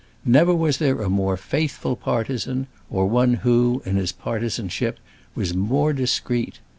Never was there a more faithful partisan, or one who, in his partisanship, was more discreet.